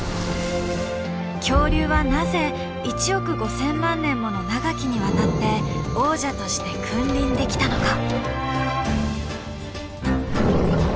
恐竜はなぜ１億５，０００万年もの長きにわたって王者として君臨できたのか？